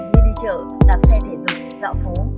đi đi chợ đạp xe thể dục dạo phố